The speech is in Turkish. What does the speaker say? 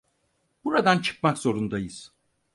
Buradan çıkmak zorundayız.